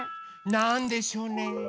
なんでしょうね？